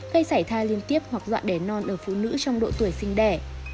gây xảy thai liên tiếp hoặc dọa để non ở phụ nữ trong độ tuổi sinh đẻ